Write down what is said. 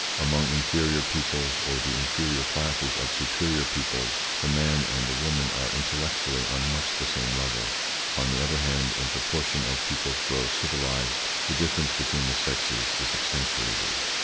Among inferior peoples or the inferior classes of superior peoples the man and the woman are intellectually on much the same level. On the other hand, in proportion as peoples grow civilised the difference between the sexes is accentuated.